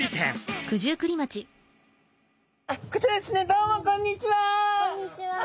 どうもこんにちは！